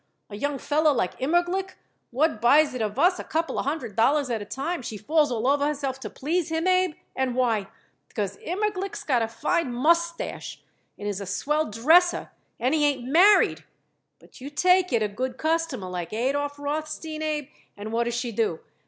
"A young feller like Immerglick, what buys it of us a couple of hundred dollars at a time, she falls all over herself to please him, Abe. And why? Because Immerglick's got a fine _mus_tache and is a swell dresser and he ain't married. But you take it a good customer like Adolph Rothstein, Abe, and what does she do?